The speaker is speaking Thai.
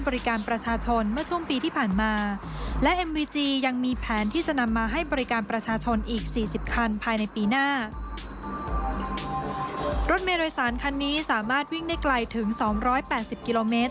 รถโดยสารคันนี้สามารถวิ่งได้ไกลถึง๒๘๐กิโลเมตร